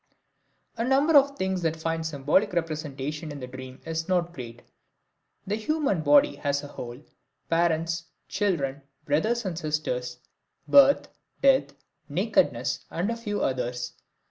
The number of things that find symbolic representation in the dream is not great the human body as a whole, parents, children, brothers and sisters, birth, death, nakedness and a few others.